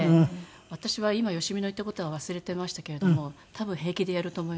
私は今良美の言った事は忘れてましたけれども多分平気でやると思います。